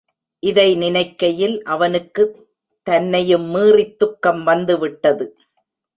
இதை நினைக்கையில் அவனுக்கு தன்னையும் மீறித் துக்கம் வந்து விட்டது.